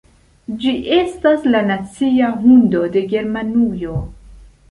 Ĝi estas la nacia hundo de Germanujo.